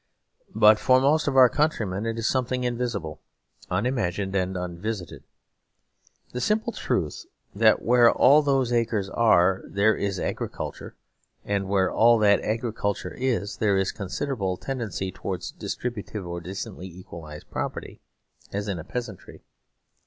But for most of our countrymen it is something invisible, unimagined, and unvisited; the simple truth that where all those acres are there is agriculture, and where all that agriculture is there is considerable tendency towards distributive or decently equalised property, as in a peasantry.